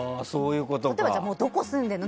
例えば、どこ住んでるの？